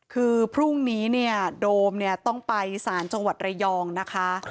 คือพรุ่งนี้โดมต้องไปสารจังหวัดเรยองนะคะ